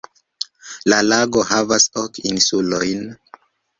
La lago havas ok insulojn.